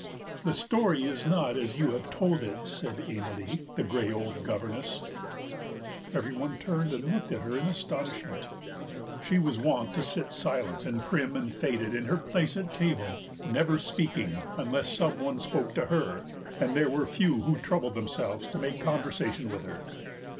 "The story is not as you have told it," said Amalie, the grey old governess. Every one turned and looked at her in astonishment. She was wont to sit silent and prim and faded in her place at table, never speaking unless some one spoke to her, and there were few who troubled themselves to make conversation with her.